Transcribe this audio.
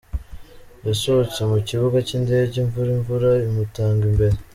Yasohotse mu kibuga cy’indege imvura imvura imutanga imbere.